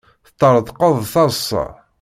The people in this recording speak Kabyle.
Teṭṭerḍqeḍ d taḍsa.